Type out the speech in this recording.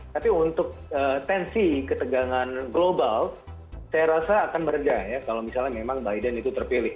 tapi untuk tensi ketegangan global saya rasa akan meredah ya kalau misalnya memang biden itu terpilih